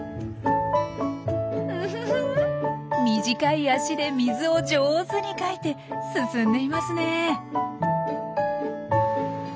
ウフフ短い足で水を上手にかいて進んでいますね。